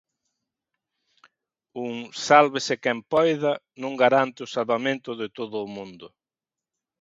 Un "sálvese quen poida" non garante o salvamento de todo o mundo.